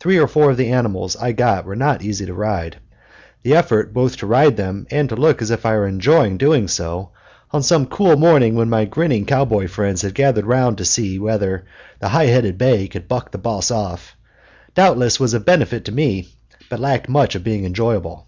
Three or four of the animals I got were not easy to ride. The effort both to ride them and to look as if I enjoyed doing so, on some cool morning when my grinning cowboy friends had gathered round "to see whether the high headed bay could buck the boss off," doubtless was of benefit to me, but lacked much of being enjoyable.